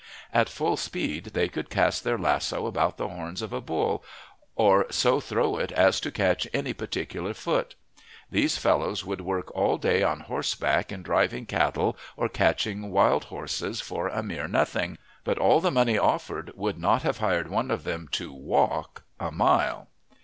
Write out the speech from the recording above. At full speed they could cast their lasso about the horns of a bull, or so throw it as to catch any particular foot. These fellows would work all day on horseback in driving cattle or catching wildhorses for a mere nothing, but all the money offered would not have hired one of them to walk a mile.